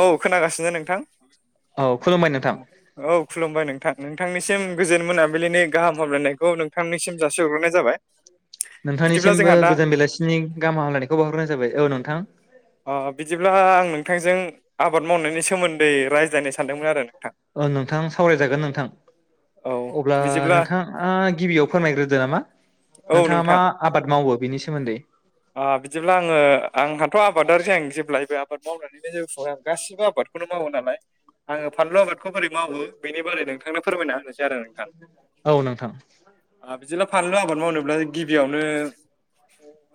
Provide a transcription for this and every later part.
औ खोनागासिनो नोंथां। औ खुलुमबाय नोंथां औ खुलुमबाय नोंथां नोंथांनिसिम गोजोन मोनाबिलिनि गाहाम हामलायनायखौ नोंथांनिसिम जासिहरग्रोनाय जाबाय। बिदिब्ला नोंथांनिसिमबो जोंहा दा गोजान बेलासिनि गाहाम हामलायनायखौ बावहरनाय जाबाय औ नोंथां। अ बिदिब्ला आं नोंथांजों आबाद मावनायनि सोमोन्दै रायज्लायनो सानदोंमोन आरो नोंथां। ओ नोंथां सावरायजागोन नोंथां। औ अब्ला बिदिब्ला नोंथाङा गिबियाव फोरमायग्रोदो नामा औ नोंथाङा मा आबाद मावो बिनि सोमोन्दै? अ बिदिब्ला आङो आंहाथ' आबादारि जें जेब्लायबो आबाद मावनानै [unintelligible] गासिबो आबादखौनो मावो नालाय आङो फानलु आबादखौ बोरै मावो बेनि बारै नोंथांनो फोरमायना होनोसै। दि आरो नोंथां औ नोंथां ओ बिदिब्ला फानलु आबाद मावनोब्ला गिबियावनो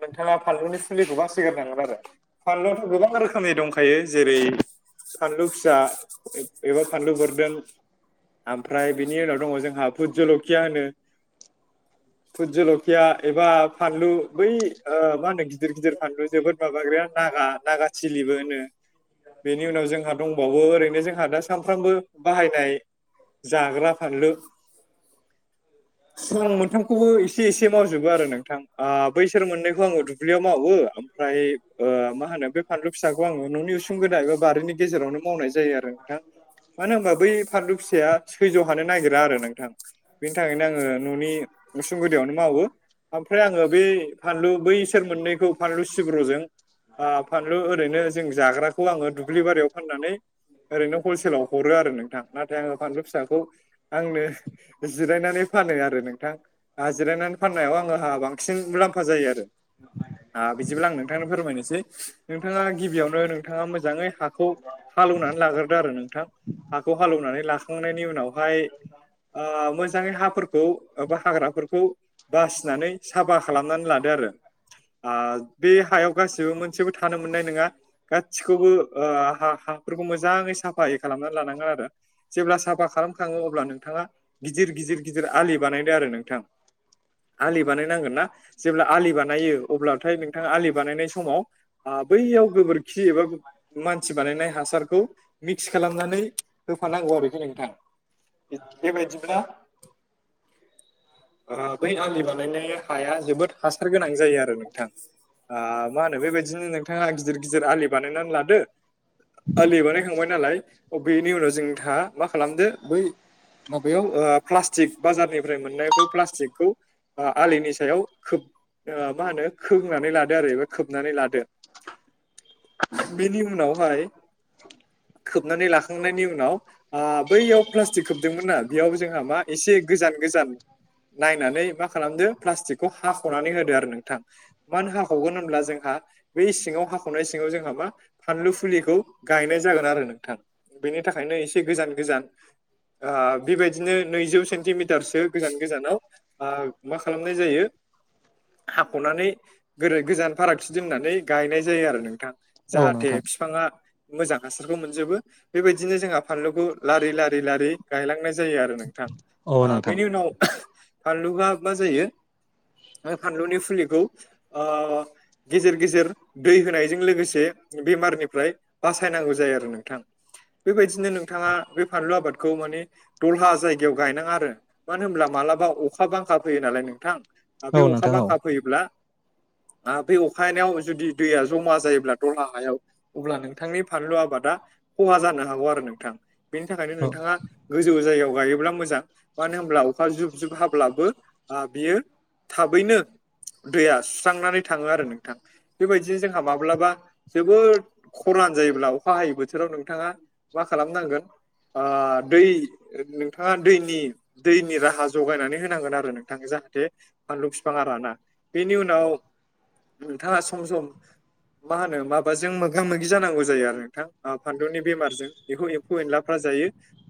नोंथाङा फानलुनि फुलिखौ बासिग्रोनांगोन आरो फानलुआथ' गोबां रोखोमनि दंखायो जेरै फानलु फिसा एबा फानलु बोर्दोन। ओमफ्राय बिनि उनाव दङ जोंहा भुद जलखिया होनो? फुट जलखिया एबा फानलु बै मा होनो गिदिर गिदिर फानलु जोबोद माबाग्राया नागा नागा सिलिबो होनो। बेनि उनाव जोंहा दंबावो ओरैनो जोंहा दा सामफ्रामबो बाहायनाय जाग्रा फानलु सिगां मोनथामखौबो एसे एसे मावजोबो आरो नोंथां बैसोर मोननैखौ खौ आआङो दुब्लियाव मावो मा होनो बे फानलु फिसाखौ न'नि उसुंगोनां बारिनि गेजेरावनो मावनाय जायो आरो नोंथां मानो होनबा बै फानलु फिसाया सैज' हानो नागिरा आरो नोंथां। बेनि थाखायनो आङो न'नि उसुं गुदियावनो मावो ओमफ्राय आंङो बे फ बैसोर मोननैखौ फानलु सिब्र'जों फानलु ओरैनो जों जाग्राखौ आंङो दुब्लि बारियाव फाननानै ओरैनो हलसेलाव हरो आरो नोंथां नाथाय आंङो फानलु फिसाखौ आंनो जिरायनानै फानो आरो नोंथां। आ जिरायनानै फाननायाव आंङोहा बांसिन मुलाम्फा जायो आरो। बिदिब्ला आं नोंथांनो फोरमायनोसै नोंथांङा गिबियावनो नोंथांङा मोजांङै हाखौ हालेवनानै लाग्रोदो आरो नोंथां हाखौ हालेवनानै ला सखांनायनि उनावहाय मोजांङै हा खौ एबा हाग्राफोरखौ बासिनानै साफा खालामनानै लादो आरो। बे हायाव गासिबो मोनसेबो थानो मोननाय नंङा गासिखौबो हाफोरखौ मोजांङै साफायै खालामनानै लानांगोन आरो जेब्ला साफा खालाम खांङो अब्ला नोंथांङा गिदिर गिदिर गिदिर आलि बानायदो आरो नोंथां। आलि बानायनांगोन ना जेब्ला आलि बानायो अब्लाथाय नोंथांङा आलि बानायनाय समाव बैयाव गोबोरखि एबा मानसि बानायनाय हासारखौ मिक्स खालामनानै होफानांगौ आरोखि नोंथां। बेबायदिब्ला बै आलि बानायनाया हाया जोबोद हासार गोनां जायो आरो नोंथां। मा होनो बेबायदिनो नोंथांङा गिदिर गिदिर आलि बानायनानै लादो। आलि बानायखांबाय नालाय बेनि उनाव जोंहाा मा खालामदो बै माबायाव प्लास्टिक बाजारनिफ्राय मोननायखौ प्लास्टिकखौ फ आलिनि सायाव खोब मा होनो खोंनानै लादो आरो एबा खोबनानै लादो बेनि उनावहाय खोबनानै लाखांनायनि उनाव बैयाव प्लास्टिक खोबदोंमोन नना बेयाव जोंहा मा एसे गोजान गोजान नायनानै मा खालामदो प्लास्टिकखौ हाख'नानै होदो आरो नोंथां। मानो हाखावगोन होनब्ला जोंहा बेै सिङाव हाख'नाय सिङाव जोंहा मा? फानलु फुलिखौ गायनाय जागोन आरो नोंथां बेनि थाखायनो एसे गोजान गोजान बेबायदिनो नैजौ सेन्टिमिटारसो गोजान गोजानाव मा खालामनाय जायो। हाख'नानै गोदै गोजान फारागथि दोननानै गायनाय जायो आरो नोंथां। औ जाहाथे नोंथां बिफांङा मोजां हासारखौ मोनजोबो बेबायदिनो जोंहा फानलुखौ लारि लारि लारि गायलांनाय जायो आरो नोंथां। औ थां नोंथां बेनि उनाव फानलुआ मा जायो? आं फानलुनि फुलिखौ गेजेर गेजेर दै होनायजों लोगोसे बेमारनिफ्राय बासायनांगौ जायो आरो नोंथां। बेबायदिनो नोंथाङा बे फानलु आबादखौ माने दलहा जायगायाव गायनांङा आरो मानो होनब्ला मालाबा अखा बांखा फैयो नालाय नोंथां। औ बे अखा नोंथां औ बांखा फैयोब्ला? बे अखानायाव जुदि दैया जमा जायोब्ला दलहा हायाव अब्ला नोंथांनि फानलु आबादा खहा जानो हागौ आरो नोंथां बेनि थाखायनो औ नोंथांङा गोजौ जायगायाव गायोब्ला मोजां। मानो होनब्ला अखा जुब जुब हाब्लाबो बियो थाबैनो दैया सुस्रांनानै थाङो आरो नोंथां। बेबायदिनो जोंहा माब्लाबा जोबोद खरान जायोब्ला अखा हायै बोथोराव नोंथाङा मा खालामनांगोन आ दै नोंथाङा दैनि दैनि राहा जगायनानै होनांगोन आरो नोंथाङ जाहाथे फानलु बिफां आ राना बेनि उनाव नोंथाङा सम सम मा होनो माबाजों मोगा-मोगि जानांगौ जायो आरो नोंथां आ फानलुनि बेमारजों बेखौ एम्फौ-एनलाफ्रा जायो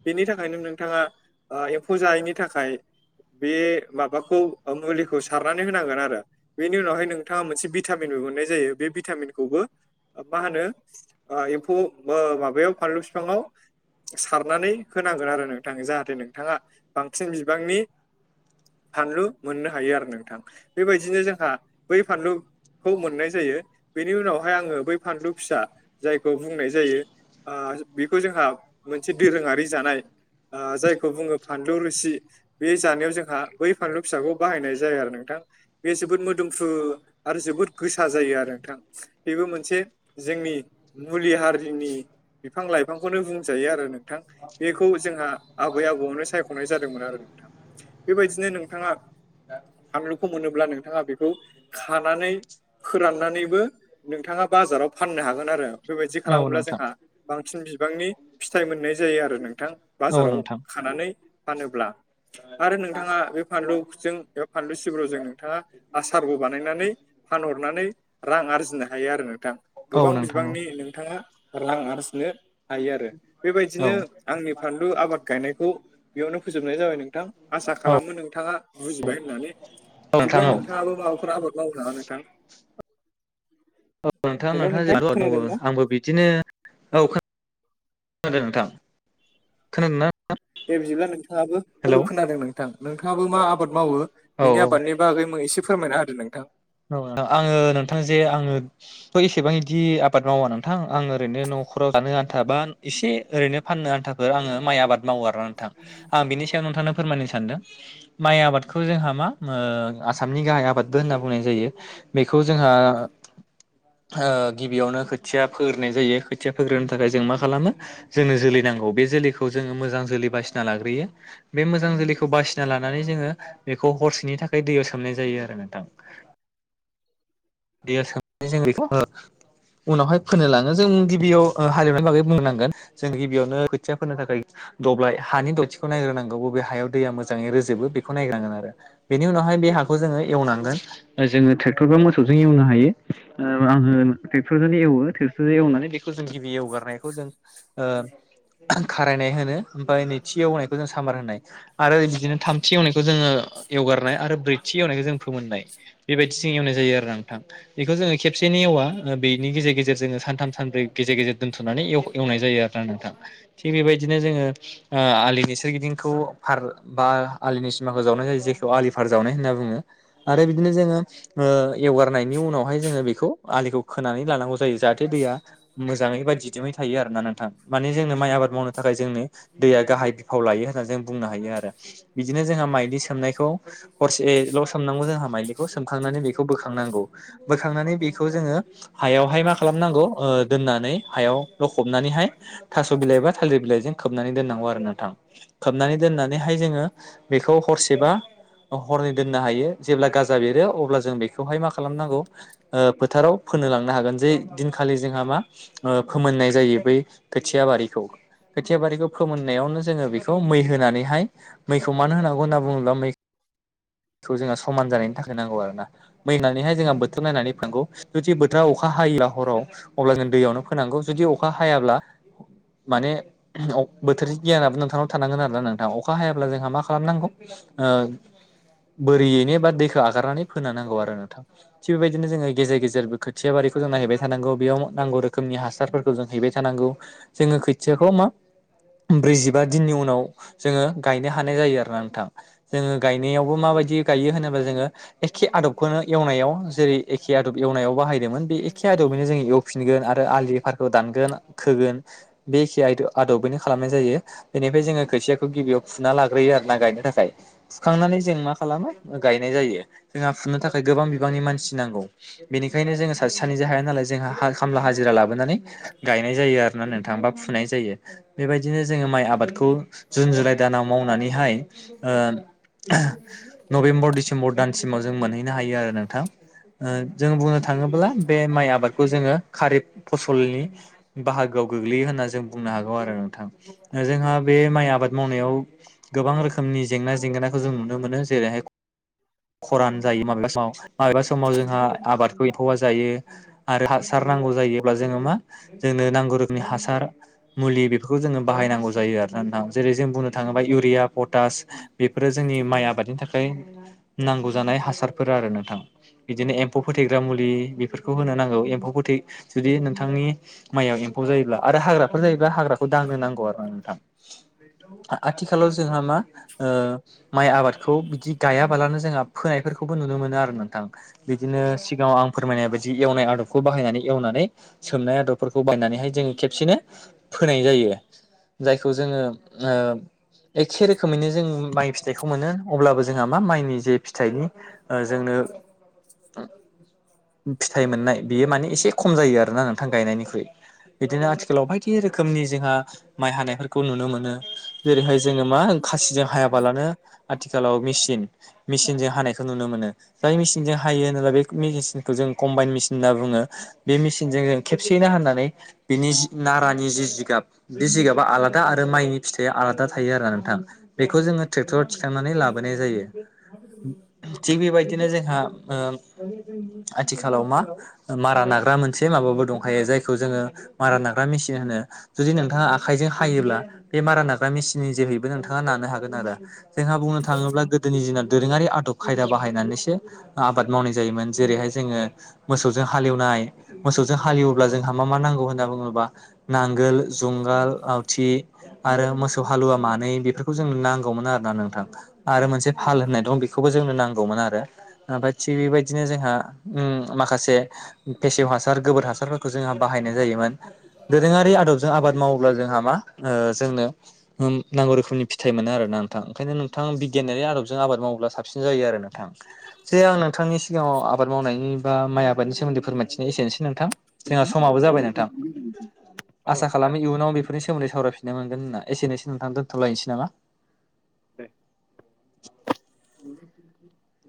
बेनि थाखायनो नोंथाङा ओ एम्फौ जायैनि थाखाय बे माबाखौ मुलि खौ सारनानै होनांगोन आरो बेनि उनावहाय नोंथाङा मोनसे भिटामिनबो मोननाय जायो। बे भिटामिनखौबो ओ मा होनो एम्फौ ओ माबायाव फानलु बिफांङाव सारनानै होनांगोन आरो नोंथां जाहाथे नोंथाङा बांसिन बिबांनि फानलु मोननो हायो आरो नोंथां बेबायदिनो जोंहा बै फानलु खौ मोननाय जायो बेनि उनावहाय आङो बै फानलु फिसा जायखौ बुंनाय जायो आ बेखौ जोंहा मोनसे दोरोङारि जानाय आ जायखौ बुङो फानलु रोसि बे जानायाव जोंहा बै फानलु फिसाखौ बाहायनाय जाया आरो नोंथां बे जोबोद मोदोमफ्रु आरो जोबोद गोसा जायो आरो नोंथां। बेबो मोनसे जोंनि मुलि हारिनि बिफां लाइफांखौनो बुंजायो आरो नोंथां। बेखौ जोंहा आबै-आबौआवनो सायख'नाय जादोंमोन आरो नोंथां बेबायदिनो नोंथाङा फानलुखौ मोनोब्ला नोंथाङा बेखौ खानानै फोराननानैबो नोंथाङा बाजाराव फाननो हागोन आरो। बेबायदि औ खालामोब्ला नोंथां जोंहा बांसिन बिबांनि फिथाइ मोननाय जायो आरो नोंथां। औ बाजाराव नोंथां खानानै फानोब्ला आरो नोंथाङा बे फानलुजों फानलु सिब्रुजों नोंथाङा आसारबो बानायनानै फानहरनानै रां आरजिनो हायो आरो नोंथां औ गोबां नोंथां औ बिबांनि नोंथाङा रां आरजिनो हायो आरो औ नोंथां औ बेबायदिनो आंनि फानलु आबाद गायनायखौ बेयावनो फोजोबनाय जाबाय नोंथां। आसा खालामो नोंथाङा बुजिबाय होननानै जेब्ला नोंथां बो माबाफोर आबाद मावो नामा नोंथां? औ नोंथां हेलौ नोंथाङा जेरै आबाद मावो खोनादों ना आंबो बिदिनो औ खोनादों नोंथां खोनादों ना? दे बिदिब्ला नोंथाङाबो औ खोनादों नोंथां नोंथाङाबो मा आबाद मावो औ औ बिनि आबादनि बागै एसे फोरमायना होदो नोंथां? औ नोंथां आङो नोंथां जे आङो एसेबां इदि आबाद मावा नोंथां आं ओरैनो न'खराव जानो आन्थाबा एसे ओरैनो फाननो आन्थाफोर आङो माइ आबाद मावो आरोना नोंथां आं बिनि सायाव नोंथांनो फोरमायनो सानदों माइ आबादखौ जोंहा मा ओ आसामनि गाहाय आबादबो होनना बुङो बुंनाय जायो बेखौ जोंहा ओ गिबियावनो खोथिया फोग्रोनाय जायो खोथिया फोग्रोनो थाखाय जों मा खालामो जोंनो जोलै नांगौ बे जोलैखौ जोङो मोजां जोलै बासिना लाग्रोयो बे मोजां जोलैखौ बासिना लानानै जोङो बेखौ हरसेनि थाखाय दैयाव सोमनाय जायो आरो नोंथां। दैया सोमनानै जों बेखौ ओ उनावहाय फोनो लाङो जों गिबियाव ओ हालेवनायनि बागै बुंनो नांगोन जों गिबियावनो खोथिया फोनो थाखाय दब्लाय हानि दथिखौ नायग्रोनांगौ बबे हायाव दैया मोजाङै रोजोबो बेखौ नायग्रांगोन आरो बेनि उनावहाय बे हाखौ जोङो एवनांगोन जोङो ट्रेक्टर बा मोसौजों एवनो हायो ओ आङो ट्रेक्ट'रजोंनो एवो ट्रेक्टरजों एवनानै बेखौ जों गिबि एवगारनायखौ जों ओ खारायनाय होनो ओमफ्राय नैथि एवनायखौ जों सामबार होनाय आरो बिदिनो थामथि एवनायखौ जोङो एवगारनाय आरो ब्रैथि एवनायखौ जों फोमोननाय बेबायदिसो एवनाय जायो आरोना नोंथां। बेखौ जोङो खेबसेनो एवा बेनि गेजेर गेजेर जोङो सानथाम सानब्रै गेजेर गेजेर दोनथ'नानै एव-एवनाय जायो आरो नोंथां थिग बेबायदिनो जोङो ओ आलिनि सोरगिदिंखौ फार बा आलिनि सिमाखौ जावनाय जायो जेखौ आलिफार जावनाय होनना बुङो आरो बिदिनो जोङो ओ एवगारनायनि उनावहाय जोङो बेखौ आलिखौ खोनानै लानांगौ जायो जाहाथे दैया मोजाङै बा दिदोमै थायो आरोना नोंथां माने जोंनो माइ आबाद मावनो थाखाय जोंनो दैया गाहाय बिफाव लायो होनना जों बुंनो हायो आरो। बिदिनो जोंहा माइलि सोमनायखौ हरसेल' सोमनांगौ जोंहा माइलिखौ सोमखांनानै बे खौ बोखांनांगौ बोखांनानै बेखौ जोङो हायावहाय मा खालामनांगौ ओ दोननानै हायाव लखबनानैहाय थास' बिलाइ बा थालिर बिलाइजों खोबनानै दोननांगौ आरो नोंथां। खोबनानै दोननानैहाय जोङो बेखौ हरसेबा हरनै दोननो हायो जेब्ला गाजा बेरो अब्ला जों बेखौहाय मा खालामनांगौ ओ फोथाराव फोनो लांनो हागोन जे दिनखालि जोंहा मा फोमोननाय जायो बै खोथिया बारिखौ खोथिया बारिखौ फोमोननायावनो जोङो बेखौ मै होनानैहाय मैखौ मानो होनांगौ होनना बुङोब्ला मैखौ जोंहा समान जानायनि थाखाय नांगौ आरो ना। मैहोनानैहाय जोंहा बोथोर नायनानै फोनांगौ जुदि बोथोरा अखा हायोब्ला हराव अब्ला जों दैयावनो फोनांगौ जुदि अखा हायाब्ला माने अ बोथोरनि गियानाबो नोंथांनाव थानांगोन आरो ना नोंथा अखा हायाब्ला जोंहा मा मा खालामनांगौ ओ बोरियैनो बा दैखौ आगारनानै फोना होनांगौ आरो। नोंथां थिग बेबायदिनो जोङो गेजेर गेजेरबो खोथिया बारिखौ जों नाय हैबाय थानांगौ बेयाव नांगौ रोखोमनि हासारफोरखौ जों हैबाय थानांगौ। जोङो खोथियाखौ मा ब्रैजिबा दिननि उनाव जोङो गायनो हानाय जायो आरोना नोंथां जोङो गायनायावबो मा बायदि गायो होनोबा जोङो एखे आदब खौनो एवनायाव जेरै एखे आदब एवनायाव बाहायदोंमोन बे एखे आदबैनो जोंङो एवफिनगोन आरो आलि फार खौ दानगोन खोगोन बे एखे आय-आदबैनो खालामनाय जायो बेनिफ्राय जोङो खोथियाखौ गिबियाव फुना लाग्रोयो आरो ना गायनो थाखाय फुखांनानै जों मा खालामो गायनाय जायो जोंहा फुनो थाखाय गोबां बिबांनि मानसि नांगौ बेनिखायनो जोङो सासे सानैजोंहाया नालाय जोंहा हा खामला हाजिरा लाबोनानै गायनाय जायो आरोना नोंथां बा फुनाय जायो। बेबायदिनो जोङो माइ आबादखौ जुन, जुलाइ दानाव मावनानैहाय ओ नभेम्बर, डिसेम्बर दानसिमाव जों मोनहैनो हायो आरो नोंथां ओ जों बुंनो थाङोब्ला बे माइ आबादखौ जोङो खारिब फसलनि बाहागोआव गोग्लैयो होनना जों बुंनो हागौ आरो नोंथां, जोंहा बे माइ आबाद मावनायाव गोबां रोखोमनि जेंना जेंगोनाखौ जों नुनो मोनो जेरैहाय खरान जायो माबेबा समाव माबेबा समाव जोंहा आबादखौ एम्फौवा जायो। आरो हासार नांगौ जायोब्ला जोङो मा जोंनो नांगौ रोखोमनि हासार मुलि बेफोरखौ जोङो बाहायनांगौ जायो आरो ना नोंथां जेरै जों बुंनो थाङोबा इउरिया, पटास बेफोरो जोंनि माइ आबादनि थाखाय नांगौ जानाय हासारफोर आरो नोंथां। बिदिनो एम्फौ फोथैग्रा मुलि बेफोरखौ होनो नांगौ एम्फौ फोथै जुदि नोंथांनि माइयाव एम्फौ जायोब्ला आरो हाग्राफोर जायोब्ला हाग्राखौ दांनो नांगौ आरोना नोंथां। आ-आथिखालाव जोंहा मा ओ माइ आबादखौ बिदि गायाबालानो जोंहा फोनायफोरखौबो नुनो मोनो आरो नोंथां बिदिनो सिगाङाव आं फोरमायनाय बादि जि एवनाय आदबखौ बाहायनानै एवनानै सोमनाय आदबफोरखौ बायनानैहाय जोङो खेबसेनो फोनाय जायो जायखौ जोङो ओ एखे रोखोमैनो जों माइ फिथाइखौ मोनो अब्लाबो जोंहा मा माइनि जे फिथाइनि ओ जोंनो ओ फिथाइ मोननाय बेयो माने एसे खम जायो आरो ना नोंथां गायनायनिख्रुइ। बिदिनो आथिखालाव बायदि रोखोमनि जोंहा माइ हानायफोर खौ नुनो मोनो जेरैहाय जोङो मा खासिजों हायाबालानो आथिखालाव मेसिन जों हानायखौ नुनो मोनो जाय मेचनजों हायो होनोब्ला बे मेसिनखौ जों कम्बाइन मेसिन होनना बुङो। बे मेसिनजों जों खेबसेयैनो हाननानै बिनि जि नारानि जि जिगाब बे जिगाबा आलादा आरो माइनि फिथाइया आलादा थायो आरोना नोंथां। बेखौ जोङो ट्रेक्टराव थिखांनानै लाबोनाय जायो। थिग बेबायदिनो जोंहा ओ आथिखालाव मा मारा नाग्रा मोनसे माबाबो दंखायो जायखौ जोङो मारा नाग्रा मेसिन होनो। जुदि नोंथाङा आखाइजों हायोब्ला बे मारा नाग्रा मेसिननि जोहैबो नोंथाङा नानो हागोन आरो। जोंहा बुंनो थाङोब्ला गोदोनि दिना दोरोङारि आदब खायदा बाहायनानैसो आबाद मावनाय जायोमोन जेरैहाय जोङो मोसौजों हालेवनाय मोसौजों हालेवोब्ला जोंहा मा मा नांगौ होनना बुङोबा नांगोल जुंगाल लावथि आरो मोसौ हालुवा मानै बेफोरखौ नांगौमोन ना नोंथां आरो मोनसे फाल होननाय दं बेखौबो जोंनो नांगौमोन आरो ओमफ्राय थिग बेबायदिनो जोंहा ओम माखासे फेसेव हासार गोबोर हासारफोरखौ जोंहा बाहायनाय जायोमोन। दोरोङारि आदबजों आबाद मावोब्ला जोंहा मा ओ जोंनो ओम नांगौ रोखोमनि फिथाइ मोनोोन नोंथां ओंखायनो नोंथां बिगियारि आबजों आबाद मावो साबसिन जायो आरो नोंथां। नोंथांनि सिगांआव आबाद मावनायनि सायाव माइ आबादनि सोमोन्दै फोरमायथिनाय एसेनोसै नोंथां जोंहा समाबो जाबाय नोंथां। औ आसा नोंथां खालामो इयुनाव बे बेनि सोमोन्दै सावरायफिन मोनगोन होनना एसेस नोंथां, दोनथ'लायनोसै नामा? दे उम